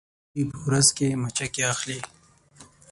ستوري په ورځ کې مچکې اخلي